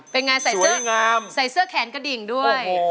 เป็นอย่างไรใส่เสื้อแขนกระดิ่งด้วย